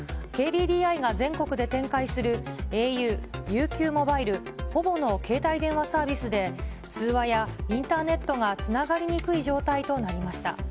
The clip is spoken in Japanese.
ＫＤＤＩが全国で展開するａｕ、ＵＱモバイル、ポヴォの携帯電話サービスで、通話やインターネットがつながりにくい状態となりました。